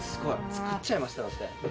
「作っちゃいました」だって。